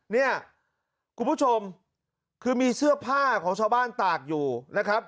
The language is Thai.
เนี่ยคุณผู้ชมคือมีเสื้อผ้าของชาวบ้านตากอยู่นะครับ